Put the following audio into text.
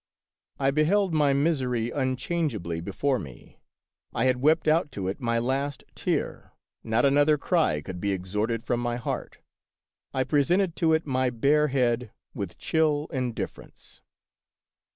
I beheld my misery unchangeably before me ; I had wept out to it my last tear ; not another cry could be extorted from my heart ; I presented to it my bare head with chill indifference.